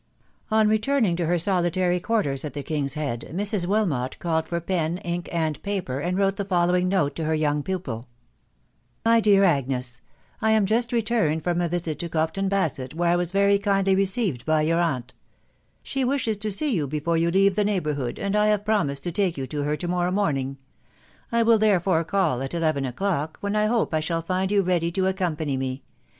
On returning to her solitary quarters at the King's Head% Mrs. Wilmot called for pen, ink, an&^a^x, «rA m*\& *S&& ^^ lowing note to her young pupil 76 the widow barnaby. ' My dear Aones, " I am just returned from a visit to Compton Basett, when I was very kindly received by your aunt She wishes to see you before you leave the neighbourhood, and I have promised to take you to her to morrow morning ; I will therefore call at eleven o'clock, when I hope I shall find you ready to ac company me.